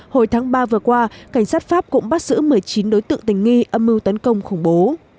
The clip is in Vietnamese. hồi tháng ba vừa qua cảnh sát pháp cũng bắt giữ một mươi chín đối tượng tình nghi âm mưu tấn công khủng bố